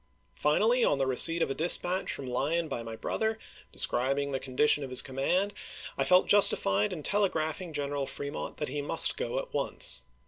FinaUy, on the receipt of a dispatch from Lyon by my brother, de FKEMONT 403 scribing the condition of his command, I felt justified in ch. xxiii. telegraphing G eneral Fremont that he must go at once.